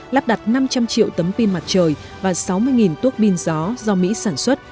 lắp đặt năm trăm linh triệu tấm pin mặt trời và sáu mươi tuốc pin gió do mỹ sản xuất